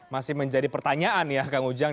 masih menjadi pertanyaan ya kang ujang